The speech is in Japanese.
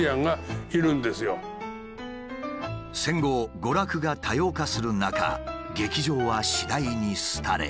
戦後娯楽が多様化する中劇場は次第に廃れ。